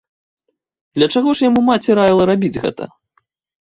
Для чаго ж яму маці раіла рабіць гэта?